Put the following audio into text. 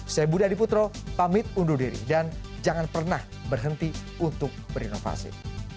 saya budi adiputro pamit undur diri dan jangan pernah berhenti untuk berinovasi